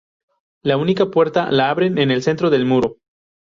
La única puerta la abren en el centro del muro.